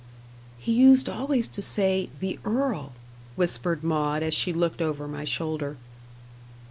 ("He used always to say 'the earl,'" whispered Maud, as she looked over my shoulder.)